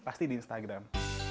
pasti di instagram